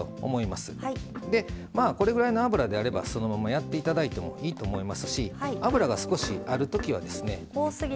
まあこれぐらいの油であればそのままやって頂いてもいいと思いますし油が少しあるときはですね